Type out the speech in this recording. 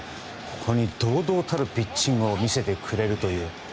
堂々たるピッチングを見せてくれるという。